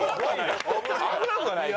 危なくはないよ。